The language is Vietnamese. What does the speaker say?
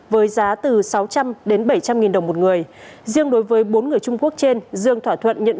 với giá từ sáu trăm linh đến bảy trăm linh nghìn đồng một người riêng đối với bốn người trung quốc trên dương thỏa thuận nhận